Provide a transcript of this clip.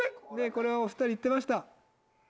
これはお２人言ってました。